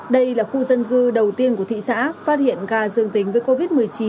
đây là khu dân cư đầu tiên của thị xã phát hiện ca dương tính với covid một mươi chín